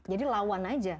jadi lawan aja